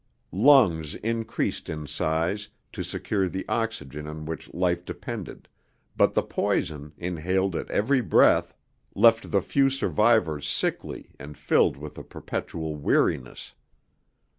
Lungs increased in size to secure the oxygen on which life depended, but the poison, inhaled at every breath, left the few survivors sickly and filled with a perpetual weariness.